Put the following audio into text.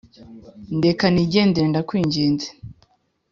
ndeka nigendere ndakwinginze .